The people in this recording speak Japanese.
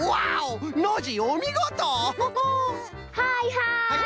はいはい！